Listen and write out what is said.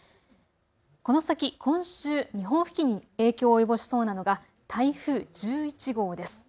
この先、今週、日本付近に影響を及ぼしそうなのが台風１１号です。